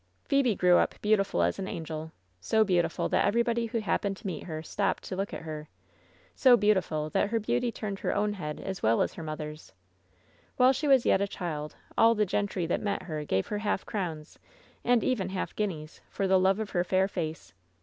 "Phebe grew up beautiful as an angel — so beautiful that everybody who happened to meet her stopped to look at her — so beautiful, that her beauty turned her own head, as well as her mother's. While she was yet a child all the gentry that met her gave her half crowns, and even half guineas, for the love of her fair face.